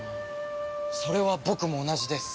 それは僕も同じです。